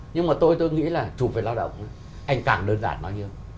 nhưng mà tôi nghĩ là trùm về lao động anh càng đơn giản nó nhiều